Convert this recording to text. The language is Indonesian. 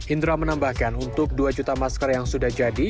indra menambahkan untuk dua juta masker yang sudah jadi